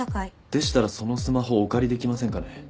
でしたらそのスマホお借りできませんかね？